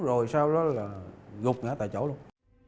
rồi sau đó là gục ngã tại chỗ luôn